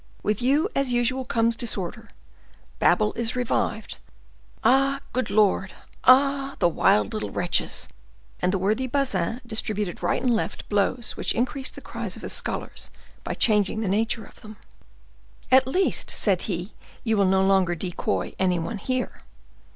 With you, as usual, comes disorder. Babel is revived. Ah! Good Lord! Ah! the wild little wretches!" And the worthy Bazin distributed right and left blows which increased the cries of his scholars by changing the nature of them. "At least," said he, "you will no longer decoy any one here."